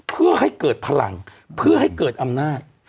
เพื่อให้เกิดพลังเพื่อให้เกิดอำนาจ